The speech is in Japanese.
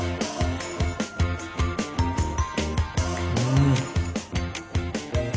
うん。